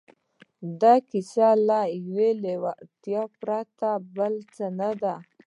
دا کیسه له یوې لېوالتیا پرته بل څه نه ده